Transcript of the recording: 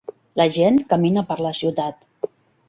La gent camina per la ciutat.